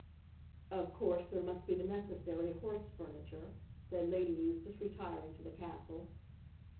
"Of course there must be the necessary horse furniture," said Lady Eustace, retiring to the castle.